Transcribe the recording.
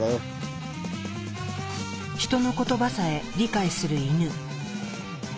ヒトの言葉さえ理解するイヌ。